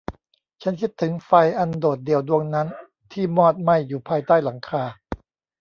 ฉันคิดถึงไฟอันโดดเดี่ยวดวงนั้นที่มอดไหม้อยู่ภายใต้หลังคา